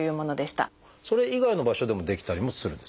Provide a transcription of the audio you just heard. それ以外の場所でも出来たりもするんですか？